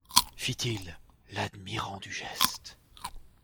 Fit-il, l'admirant du geste.